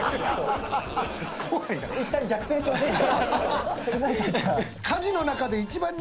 いったん逆転しません？